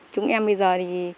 chúng em bây giờ thì